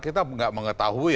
kita nggak mengetahui